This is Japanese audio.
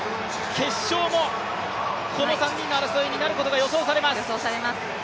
決勝もこの３人の争いになることが予想されます。